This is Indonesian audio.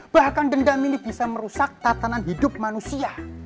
bahkan dendam ini bisa merusak tatanan hidup manusia